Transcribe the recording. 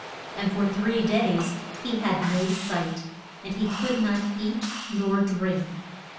And for three days he had no sight; and he could not eat nor drink.